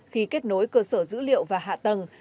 khi kết nối cơ sở dữ liệu và hạ tầng